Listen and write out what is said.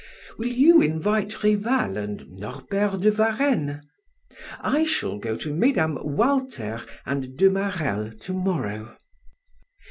Will you invite Rival and Norbert de Varenne? I shall go to Mmes. Walter and de Marelle to morrow.